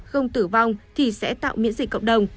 không tử vong thì sẽ tạo miễn dịch cộng đồng